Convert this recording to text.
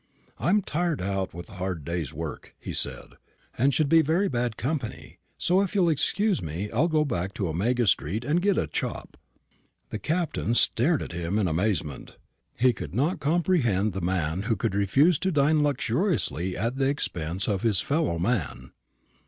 "I'm tired out with a hard day's work," he said, "and should be very bad company; so, if you'll excuse me, I'll go back to Omega street and get a chop." The Captain stared at him in amazement. He could not comprehend the man who could refuse to dine luxuriously at the expense of his fellow man.